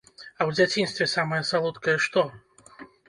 А ў дзяцінстве самае салодкае што?